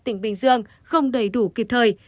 tỉnh bình dương không đầy đủ kịp thời